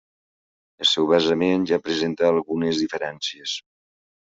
El seu basament ja presenta algunes diferències.